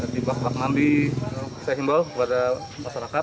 di bapak nandi saya himbaw kepada masyarakat